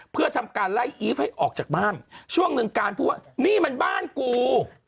เพื่อทำการไล่อีฟให้ออกจากบ้านช่วงหนึ่งการพูดว่านี่มันบ้านกู